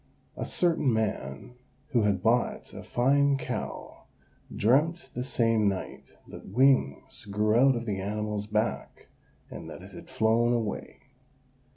A certain man, who had bought a fine cow, dreamt the same night that wings grew out of the animal's back, and that it had flown away.